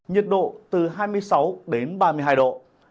nhiệt độ từ hai mươi sáu đến ba mươi hai độ